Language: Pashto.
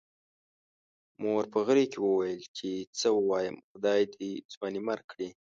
مور په غريو کې وويل چې څه ووايم، خدای دې ځوانيمرګ کړي.